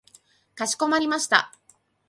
かしこまりました。